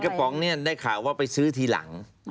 ป๋องเนี่ยได้ข่าวว่าไปซื้อทีหลัง